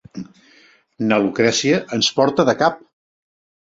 Na Lucrècia ens porta de cap.